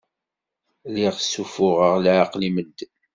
Lliɣ ssuffuɣeɣ leɛqel i medden.